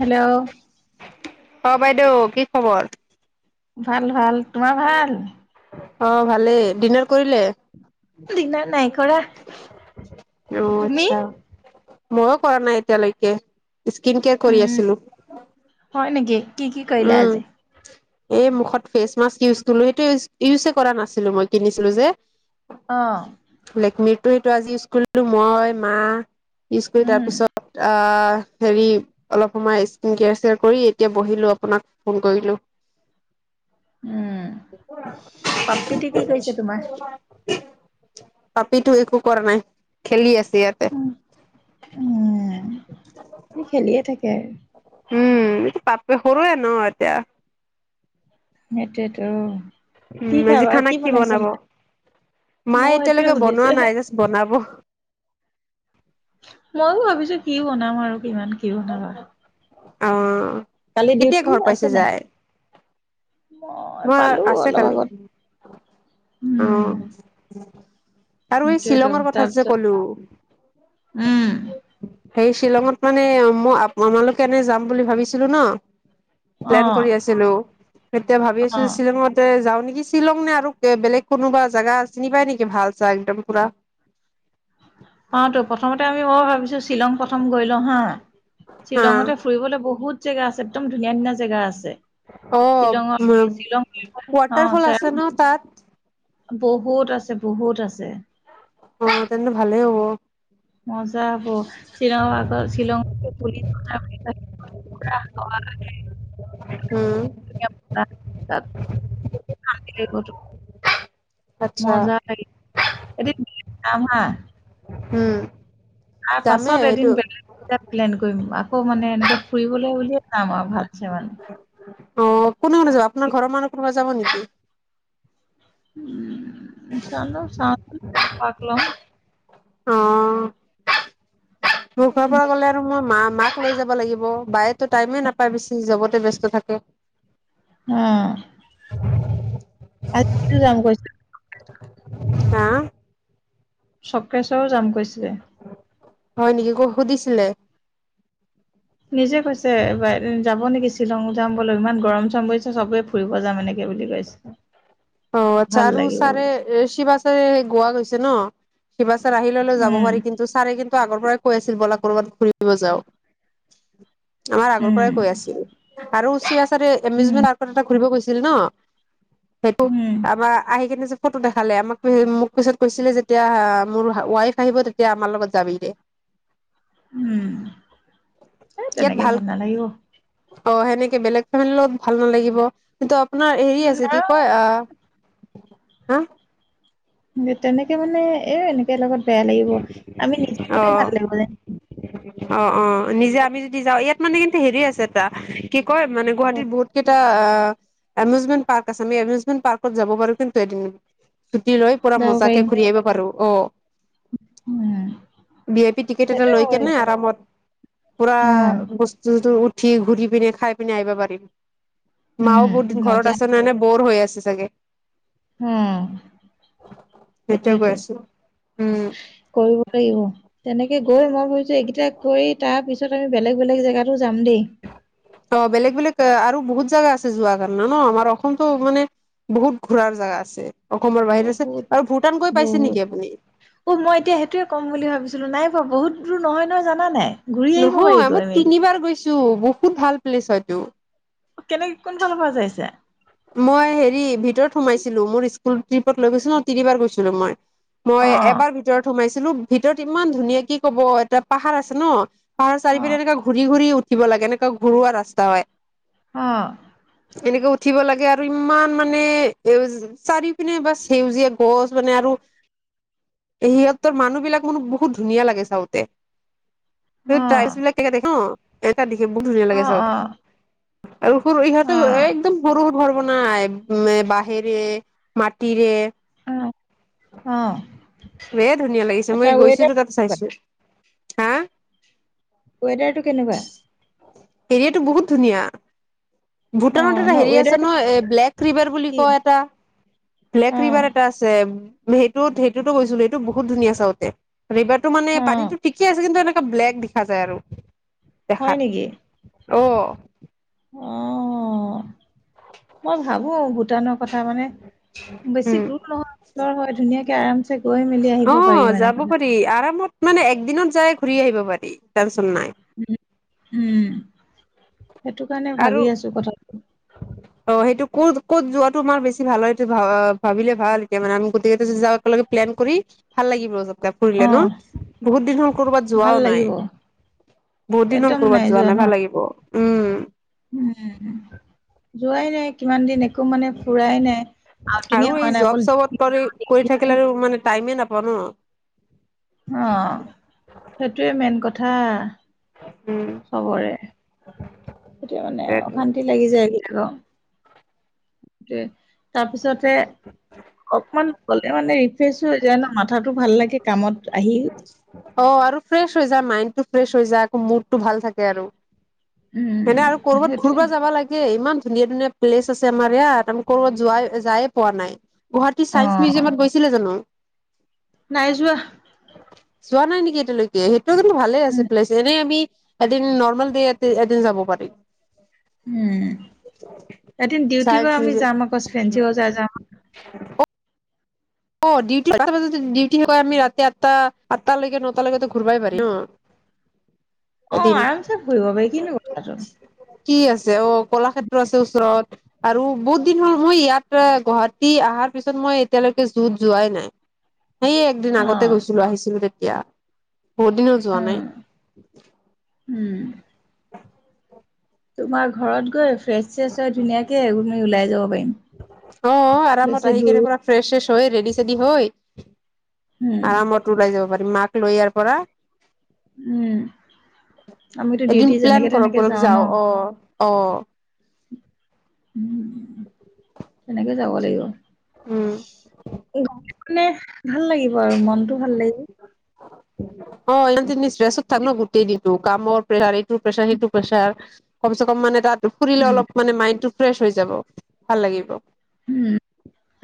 Hello. অ', বাইদেউ কি খবৰ? ভাল ভাল, তোমাৰ ভাল? অ', ভালেই ডিনাৰ কৰিলে? দিগদাৰ নাই কৰা [inaudible] অ তুমি আচ্ছা! ময়ো কৰা নাই এতিয়ালৈকে। স্কিন কেয়াৰ কৰি উম, আছিলোঁ, হয় নেকি কি কি কৰিলা আজি উম। এই মুখত ফেচ মাস্ক ইউজ [unintelligible] সেইটোৱে ইউজে কৰা নাছিলোঁ মই কিনিছিলোঁ যে। অঁ। লেকমীৰ টো ইটো আজি ইউজ কৰিলো মই, মা ইউজ কৰি উম তাৰপিছত। আ, হেৰি। অলপ সময় স্কিন কেয়াৰ চেয়াৰ কৰি এতিয়া বহিলোঁ, আপোনাক ফোন কৰিলোঁ। উম, [unintelligible] কি কৰিছে তোমাৰ? পাপিটো একো কৰা নাই, খেলি আছে ইয়াতে। [unintelligible] সি খেলিয়ে থাকে। উম, [unintelligible] পাপে সৰুৱে ন এতিয়া। সিটোৱে‌ তো। উম, আজি খানা কি বনাব? মায়ে ময়ো সেইটোয়ে এতিয়ালৈকে সুধিছো বনোৱা নাই জাষ্ট বনাব। ময়ো ভাবিছোঁ কি বনাম আৰু কিমান। কি বনাবা অ', কালি কেতিয়া ডিউটি ঘৰ আছে পাইছে নাই যায়? মই [unintelligible] পালো আছে অলপ কালি। আগত উম অঁ। আৰু এই সেইটোয়েতো শ্বিলঙৰ কথা যে তাৰপিছত কলো। উম সেই শ্বিলঙত মানে মই [unintelligible] এনে যাম বুলি ভাবিছিলোঁ ন? অ প্লেন কৰি আছিলোঁ, তেতিয়া ভাবি [inaudible] অ [unintelligible] যাওঁ নেকি শ্বিলং নে আৰু [unintelligible] বেলেগ কোনোবা জাগা চিনি পায় নেকি, ভাল চা একদম পুৰা। [unintelligible] প্ৰথমতে আমি মই ভাবিছোঁ শ্বিলং প্ৰথম গৈ লওঁ, হা। হা শ্বিলঙতে ফুৰিবলৈ [inaudible] বহুত জেগা আছে, একদম ধুনীয়া ধুনীয়া জেগা আছে। অ'। [unintelligible] অ, [inaudible] ৱাটাৰফল আছে ন তাত বহুত আছে, বহুত আছে। অ', তেন্তে ভালে হ'ব। মজা হব, শ্বিলৰ আগৰ শ্বিলং ঘূৰি [unintelligible] উম। [inaudible] আচ্ছা [inaudible] উম। তাৰ যামেই পাছত এদিন সেইটো বেলেগ প্লেন কৰিম আকৌ মানে এনেকে ফুবলৈ বুলিয়ে যাম আৰু ভালছে মানে। অঁ কোনে কোনে যাব আপোনাৰ ঘৰৰ মানুহ কোনোবা যাব নেকি? উম, চাই লওঁ চাওচোন কাক লওঁ। অ', মোৰ ঘৰৰ পৰা গ'লে আৰু মোৰ মা মাক লৈ যাব লাগিব, বাইয়েতো টাইমে নাপায় বেছি জবতে ব্যস্ত থাকে। অঁ। [unintelligible] ভাইটিটো জাং কৈছে। হা চক্ৰেশ্বৰো যাম কৈ। হয় নেকি তোক সুধিছিলে। নিজে কৈছে যাব নেকি শ্বিলং যাম বোলো, ইমান গৰম চৰম পৰিছে চবে ফুৰিব যাম এনেকে বুলি কৈছে। [inaudible] অঁ, আচ্ছা আৰু ছাৰে শিৱা চাৰে গোৱা গৈছে ন। শিৱা চাৰ আহি ললে যাব উম, পাৰি কিন্তু ছাৰে কিন্তু আগৰ পৰাই কৈ আছিল ব'লা কবাত ঘুৰিব যাওঁ। আমাৰ আগৰ উম, পৰাই কৈ আছিল, আৰু শিৱা চাৰে উম, এমিউজমেট আক এটা ঘূৰিব গৈছিল ন। সেইটো উম, তাপা আহি কিনে ফটো দেখালে, আমাক মোক পিছত কৈছিলে যেতিয়া মোৰ ৱাইফ আহিব তেতিয়া আমাৰ লগত যাবি দে। উম, এই তেনেকে ভাল নালাগিব। অ, সেনেকে বেলেগ ফেমিলিৰ লগত ভাল নালাগিব। কিন্তু আপোনাৰ হেৰি আছে কি অ, আৰু হা তেনেকে মানে এ এনেকে লগত বেয়া লাগিব, আমি নিজে গলে ভাল লাগিব যেনো। অঁ অঁ, নিজে আমি যদি যাওঁ ইয়াত মানে কিন্তু হেৰি আছে তা কি কয় মানে গুৱাহাটীত ক'ত বহুত কেইটা অ এমিউজমেট পাৰ্ক আছে এমিউজমেণ্ট পাৰ্ক যাব পাৰো কিন্তু এদিন ছুটি লৈ পুৰা যাব মজা পাৰিম ঘুৰি আহিব পাৰোঁ অঁ, উম, ভি আই পি টিকেট এটা সেইটোৱে লৈ কেনে ভাবিছোঁ আৰামত পুৰা উম। বস্তুটো উঠি ঘূৰি পিনে খাই পিনে আহিব পাৰিম। উম, মায়ো বহুত দিন মজা ঘৰত আছে নহ নে বৰ হৈ আছে চাগে। উম, সেইটোৱে কৈ সেইটোয়েতো আছো উম। কৰিব লাগিব তেনেকে গৈ মই ভাবোএইকেইটা কৰি তাৰপিছত আমি বেলেগ বেলেগ জেগাতো যাম দেই। অঁ বেলেগ বেলেগ আৰু বহুত জোগা আছে যোৱা কাৰণে ন, আমাৰ অসমতটো মানে বহুত ঘূৰাৰ জোগা আছে, অসমৰ বাহিৰে আছে বহুত আৰু ভূটান গৈ পাইছে নেকি আপুনি? অঁ মই এতিয়া সেইটোৱে কম বুলি ভাবিছিলোঁ, নাই বাৰু বহুত দূৰ নহয় নহয় জানা নাই। ঘূৰি আহিব পাৰি নহয় গৈ মই মেলি। তিনিবাৰ গৈছো বহুত ভাল প্লেছ হয়তো। কেনেক কোন ফালৰ পৰা যাইছে? মই হেৰি ভিতৰত সোমাইছিলো, মোৰ স্কুল ট্ৰিপত লৈ গৈছিলো ন তিনিবাৰ গৈছিলো মই। মই অ', এবাৰ ভিতৰত সোমাইছিলো ভিতৰত ইমান ধুনীয়া কি কব এটা পাহাৰ আছে ন। পাহাৰ চাৰি অ', পিনে এনেককা ঘূৰি ঘূৰি উঠিব লাগে, এনেকা ঘূৰোৱা ৰাস্তা হয়। অঁ। এনেক উঠিব লাগে, আৰু ইমান মানে সেউজ চাৰিও পিনে বাছ সেউজীয়া গছ মানে আৰু [inaudible] সিহঁতৰ মানুহ বিলাক মোৰ বহুত ধুনীয়া লাগে। চাওঁতে অ', চাইজ বিলাক একে থাকে ন, এটা দেখিম বহুত ধুনীয়া অ', লাগে। অ', চাওতে আৰু সৰু ইহঁতেও অ', একদম বহুত ঘৰ বনাই উ, বাঁহেৰে, মাটিৰে অ', অ', খুবেই ধুনীয়া লাগিছে। এটা মই ৱেডাৰ গৈছিলো। তাত চাইছো। হা ওৱেডাৰটো কেনেকুৱা? এনেওটো বহুত ধুনীয়া। ভূটানত অ', এটা ন হেৰি আছে ৱেডাৰটো নহয় এ, ব্লেক ৰিভাৰ বুলি কি কয় এটা ব্লেক অ', ৰিভাৰ এটা আছে। সেইটোত সেইটোতো গৈছিলো। সেইটো বহুত ধুনীয়া চাওঁতে ৰিভাৰটো মানে অ', পানীতো ঠিকেই আছে। কিন্তু এনেকুৱা ব্লেক দেখা যায় আৰু হয় দেখাত অহ, অহ', মই ভাবো ভূটানৰ কথা মানে বেছি উম দূৰ নহয় হয়। ওচৰ হয়। ধুনীয়াকে আৰাম চে গৈ মেলি অ আহিব পাৰিম। যাব পাৰি আৰামত মানে একদিনত যাই ঘূৰি আহিব পাৰি। টেনশচন নাই। উম', সেইটো কাৰণে ভাবি আছো কথাটো অহ', সেইটো ক'ত ক'ত যোৱাটো আমাৰ বেছি ভাল হয়। সেইটো ভা ভাবিলে ভাল এতিয়া মানে আমি গতেকেইতা যদি যাও একেলগে প্লেন কৰি ভাল লাগিব। তাতে ফুৰিলে ন অ', বহুত দিন হ'ল কৰবাত ভাল যোৱাও নাই। লাগিব বহুত দিন হল ক'ৰবাত যোৱা নাই ভাল লাগিব উম, উম', যোৱাই নাই। কিমান দিন একো মানে ফুৰাই নাই। আউটিঙে আৰু হোৱা এই নাই জব অকল চবত কৰি কৰি থাকিলে, আৰু মানে টাইমে নাপাওঁ ন অহ', সেইটোৱে মেইন কথা উম', চবৰে, [unintelligible] এতিয়া মানে সেইটোৱেটো অশান্তি লাগি যায়। ফুৰিব তাকে তাৰ পিছতে অকমান গলে মানে ৰিফ্ৰেচ হৈ যায় ন, মাথাটো ভাল লাগে। কামত আহি অ', আৰু ফ্ৰেছ হৈ যায়। মাইণ্ড টো ফ্ৰেছ হৈ যায়, আকৌ মুড টো ভাল থাকে আৰু হয়নে, আৰু উম কৰবাত সেইটোৱে ঘূৰবা যাবা লাগে। ইমান ধুনীয়া ধুনীয়া প্লেচ আছে। আমাৰ ইয়াত আমি ক'ৰবাত যোৱা যায়ে পোৱা নাই। গুৱাহাটী অ চাইন্স মিউজিয়ামত গৈছিলা জানো? নাই যোৱা। যোৱা নাই নেকি? এতিয়ালৈকে সেইটো কিন্তু ভালে উম আছে। প্লেচ এনেই আমি এদিন নৰ্মেল দে এদিন যাব পাৰিম। উম', এদিন ডিউটিৰ চাইন্স পৰা আমি মিউজিয়াম যাম আকৌ ফ্ৰেঞ্চি বজাৰ যাম। [unintelligible] অ', ডিউটি বাজাতেন পাঁচটা বাজাতে শেষ হয়। ডিউটি আমি ৰাতি আঠটা আঠটালৈকে নটা লৈকেতো ঘূৰবাই পাৰিম অ, অ', আৰামচে ফুৰিব পাৰি কিনো কথাটো কি আছে। অ, কলাক্ষেত্ৰ আছে। ওচৰত আৰু বহুত দিন হল মই ইয়াতে গুৱাহাটী অহাৰ পিছত মই এতিয়ালৈকে যুত যোৱাই নাই। সেয়ে একদিন অ আগতে গৈছিলো আহিছিলো। তেতিয়া বহুত দিন যোৱা উম নাই। উম। তোমাৰ ঘৰত গৈ, ফ্ৰেছ- ছ্ৰেছ হৈ ধুনীয়াকে আমি ওলাই যাব পাৰিম। অহ, আৰামত বেছি আহি দূৰো কেনে পুৰা ফ্ৰেছ- শ্ৰেছ হৈ ৰেডি -চেডি হৈ উম আৰামত ওলাই যাব পাৰিম। মাক লৈ ইয়াৰ পৰা উম আমিতো এদিন ডিউটি প্লেন যেনেকে কৰক, তেনেকে বলক যাওঁ ন যাও। অহ- অহ। উম, তেনেকে যাব লাগিব। উম মানে ভাল লাগিব আৰু, মনতটো ভাল লাগিব। অ, এ তুমি ড্ৰেছত থাকে ন, গোটেই দিনটো কামৰ প্ৰেচাৰ এইটো প্ৰেচাৰ, সেইটোৰ প্ৰেচাৰ, কমচে কম মানে তাত ফুৰিলে উম অলপ মানে মাইণ্ডটো অলপ ফ্ৰেছ হৈ যাব, ভাল লাগিব। উম,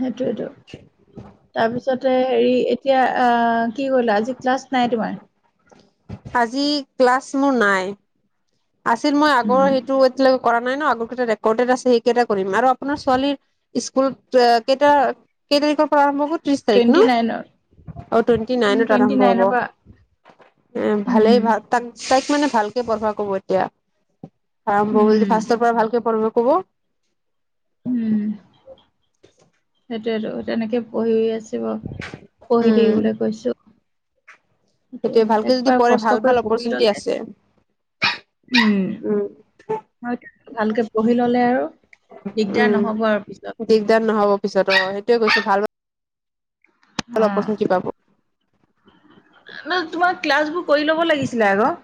সেইটোৱেটো। তাৰপিছতে হেৰি, এতিয়া কি কৰিলো? আজি ক্লাছ নাই তোমাৰ। আজি ক্লাছ মোৰ নাই। আছিল। মই আগৰ উম সেইটো এতিয়ে কৰা নাই ন, আগৰ কেইটা ৰেকৰ্ডেড আছে, সেইকেইটা কৰিম। আৰু আপোনাৰ ছোৱালী স্কুলত কেইটা, কেই তাৰিখৰ পৰা আৰম্ভ হ'ল? ত্ৰিশ তাৰিখ টুৱেণ্টি ন, নাইনৰ অ, টুৱেণ্টি উম নাইনত টুৱেণ্টি আৰম্ভ হ'ব। নাইনৰ পৰা উম, ভালেই ভাল। তাক, তাইক মানে ভালকে পঢ়োৱা ক'ব এতিয়া। আৰম্ভ হব উম ফাৰ্ষ্টৰ পৰা ভালকে পঢ়। বহুত উম, সেইটোয়েটো তেনেকে পঢ়ি আছে। পঢ়ি উম থাকিবলৈ কৈছোঁ। সেইয়ে, সেইটোৱে ভালকে যদি একবাৰ পঢ়ে ভাল কষ্ট ভাল কৰি পঢ়ি অপৰচুনিটি ললে, আছে। উম। হয়, ভালকে পঢ়ি ল'লে আৰু দিগদাৰ উম। নহ'ব আৰু পিছত। দিগদাৰ নহব পিছতো অ, হয়। সেইটোয়ে কৈছো ভাল ভাল অ, অপৰচুনিটি পাব। তোমাৰ ক্লাছ বোৰ কৰি ল'ব লাগিছিলে আকৌ।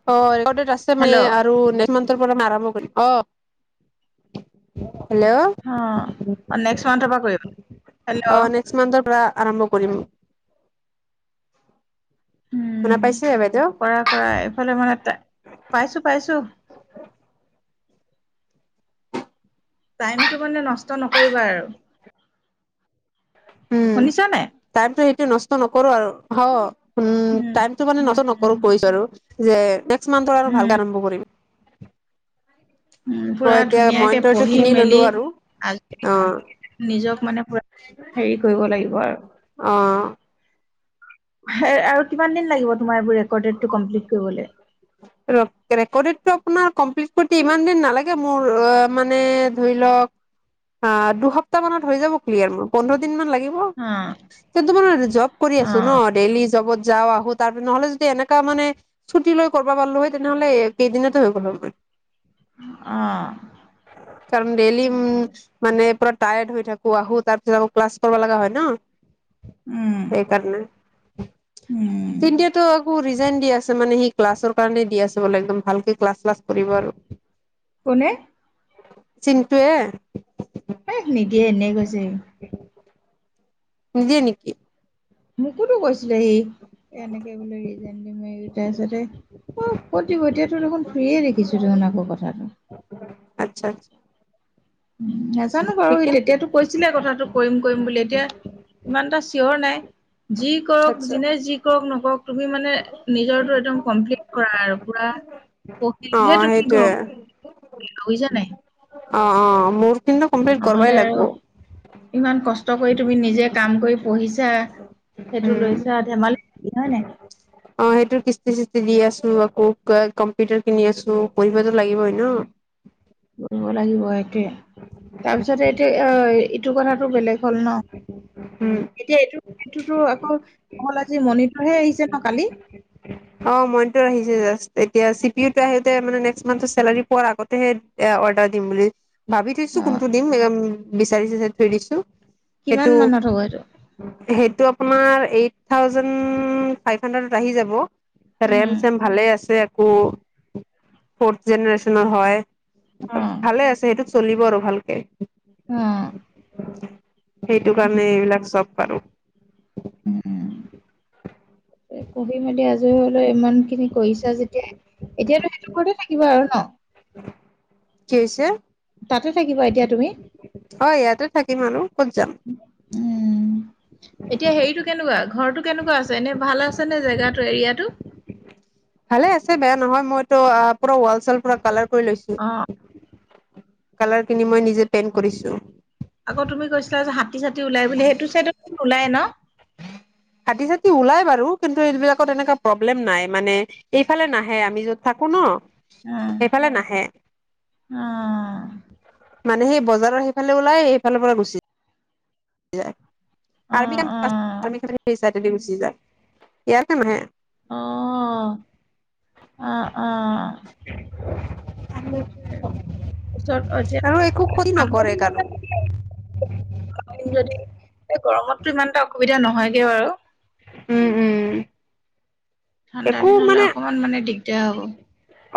অ, ৰেকৰ্ড আছে, মানে হেল্ল' আৰু নেক্সট নেক্সট মান্ত পৰা আৰম্ভ কৰিম। অ, হেল্ল'। অ, নেক্সট মান্থৰ পৰা কৰিব, অ হেল্ল'। নেক্সট মন্থৰ পৰা আৰম্ভ কৰিম। শুনা উম, পাইছে বাইদেউ কৰা- কৰা, এইফালে মানে পাইছো- পাইছো। [unintelligible] টাইমটো মানে নষ্ট নকৰিবা আৰু। উম শুনিছা নাই? টাইমটো এনে নষ্ট নকৰো আৰু। উম, টাইমটো মানে নষ্ট নকৰো কৈছোঁ আৰু। যে, নেক্সট মান্থৰ আৰু উম ভালকে আৰম্ভ কৰিম। উম, অ পুৰা এতিয়া ধুনীয়াকে মইন্টৰটো পঢ়ি কিনি ললো মেলি। আৰু আজিৰি অ কৰি নিজক মানে পুৰা, হেৰি কৰিব লাগিব আৰু। অ। আৰু কিমান দিন লাগিব, তোমাৰ এইবোৰ ৰেকৰ্ডেডটো কমপ্লিট কৰিবলৈ? ৰেকৰ্ডেডটো আপোনাৰ কমপ্লিট কৰোতে ইমান দিন নালাগে মোৰ। মানে ধৰি লওক অ, দুসপ্তাহ মানত হৈ যাব ক্লিয়াৰ মোৰ। পোন্ধৰ দিন মান লাগিব। অ কিন্তু মোৰ জব কৰি আছো ন। অ ডেইলি জবত যাওঁ, আহো। তাৰপিছত, নহলে যদি এনেকা মানে ছুটি লৈ কৰোঁ পালো হয়, তেনেহ'লে কেইদিনতে হৈ গ'ল হয় মোৰ। অ কাৰণ ডেইলি উম মানে পুৰা টায়াৰ্ড হৈ থাকো, আহো তাৰ পিছত আকৌ ক্লাছ কৰিব লগা হয়, ন। সেই কাৰণে, উম তি একো ৰিজাইন দি আছে, মানে সি ক্লাছৰ কাৰণে দি আছে বোলে, একদম ভালকে ক্লাছ-চ্লাছ কৰিব আৰু। কোনে? চিন্টুৱে? এ, নিদিয়ে এনে কৈছে, সি। নিদিয়ে নেকি? মোকোতো কৈছিলে সি, এনেকে বোলে ৰিজন দিম, তাৰপিছতে অ, ক'ত দিব, এতিয়াতো দেখোন ফ্ৰিয়ে দেখিছোঁ, দেখোন আকৌ কথাটো আচ্ছা, আ নাজানো বাৰু কিন্তু তেতিয়াতো কৈছিলে কথাটো কৰিম, কৰিম বুলি, এতিয়া ইমান এটা চিয়ৰ নাই। যি কৰক, আচ্ছা জোনে যি কওঁক নকওঁক তুমি মানে, নিজৰটো এদম কমপ্লিট কৰা আৰু পুৰা, প অ তেতিয়াহে তুমি সেইটোয়ে ঘৰখন [inaudible] বুজিছা নে নাই? অ, অ, মোৰ কিন্তু কমপ্লিট কৰবাই নহ'লে লাগব ইমান কষ্ট কৰি তুমি নিজে কাম কৰি পঢ়িছা। সেইটো উম লৈছা, ধেমালি [inaudible] নাই? অ, সেইটোৰ কিস্তি-চস্তি দি আছোঁ, আকৌ ক-কম্পিউটাৰ কিনি আছোঁ, কৰিবটো লাগিবই ন? কৰিব লাগিব, এইটোৱে, তাৰপিছতে এইটো এই এইটো কথাটো বেলেগ হ'ল ন? এতিয়া, এইটো এইটোতো, আকৌ অকল আজি, মনিতৰহে আহিছে ন, কালি? অ, মনিতৰ আহিছে জাষ্ট। এতিয়া চি, পি, ইউ, টো আহোতে মানে, নেক্স মান্ঠৰ চেলাৰী পোৱাৰ আগতেহে এয়া, অৰ্ডাৰ দিম বুলি। ভাবি থৈছোঁ অ' কোনটো দিম, এম, বিচাৰি-চিচাৰি থৈ দিছোঁ। কিমান সেইটো মানত হ'ব এইটো সেইটো আপোনাৰ এইট, থাউজেণ্ড ফাইভ হানড্ৰেট আহি যাব। উম ৰেম-চেম ভালেই আছে আকৌ, ফৰ্থ জেনেৰেচনৰ হয়। অ' ভালে আছে, সেইটোত চলিব আৰু ভালকে। উম, সেইটো কাৰণে, এইবিলাক চব পাৰো। উম, উম, পঢ়ি মেলি আজৰি হ'লেও ইমান খিনি কৰিছা যেতিয়া, এতিয়াতো সেইটো ঘৰতে থাকিবা আৰু ন? কি হৈছে? তাতে থাকিবা, এতিয়া তুমি? হয়, ইয়াতে থাকিম আৰু ক'ত যাম। উম, এতিয়া হেৰিটো কেনেকুৱা? ঘৰটো কেনেকুৱা আছে, এনে ভাল আছেনে জেগাটো এৰিয়াটো? ভালে আছে, বেয়া নহয়। মইতো আ, পুৰা ৱাল-চোৱাল পুৰা কালাৰ কৰি লৈছো। অ' কালাৰ কিনি মই, নিজে পেইণ্ট কৰিছো। আকৌ তুমি কৈছিলা যে, হাতী-চাতী ওলাই বুলি, সেইটো চাইডত ওলায়ে ন? হাতী-চাতী ওলাই বাৰু, কিন্তু এইবিলাকত এনেকুৱা প্ৰব্লেম নাই, মানে এইফালে নাহে, আমি য'ত থাকো ন, অ' সেইফালে নাহে। অ, মানে সেই বজাৰৰ সেইফালে ওলাই, এইফালৰ পৰা গুচি যায়। অ', আৰ্মী কেম্প আছে আৰ্মী কেম্পৰ সেই চাইডেদি গুচি যায়। ইয়াতে নাহে। অঁ! আ [unintelligible] অঁ! সেইটোৱেই। ওচৰত আৰু একো [unintelligible] ক্ষতি সামৰি নকৰে কাৰো মানে [unintelligible] যদি, এই গৰমটো সিমান এটা অসুবিধা নহয়গে বাৰু। উম-উম। ঠাণ্ডা দিন হ'লে অকমান মানে দিগদাৰ হ'ব।